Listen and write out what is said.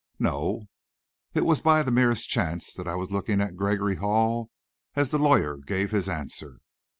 "No." It was by the merest chance that I was looking at Gregory Hall, as the lawyer gave this answer.